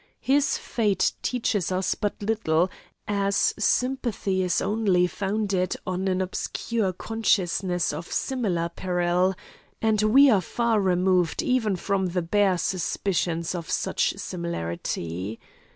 His fate teaches us but little, as sympathy is only founded on an obscure consciousness of similar peril, and we are far removed even from the bare suspicion of such similarity.